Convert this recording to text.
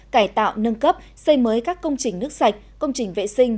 cải tạo nâng cấp xây mới các công trình nước sạch công trình vệ sinh